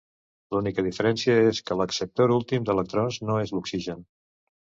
L'única diferència és que l'acceptor últim d'electrons no és l'oxigen.